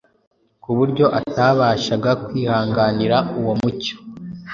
ku buryo atabashaga kwihanganira uwo mucyo.